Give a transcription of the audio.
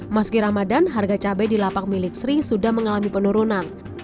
meski ramadan harga cabai di lapak milik sri sudah mengalami penurunan